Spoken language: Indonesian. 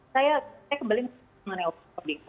saya kembali menurut pak fikar